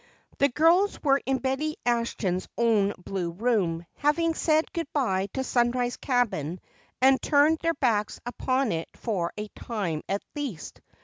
The girls were in Betty Ashton's own blue room, having said good bye to Sunrise cabin and turned their backs upon it for a time at least.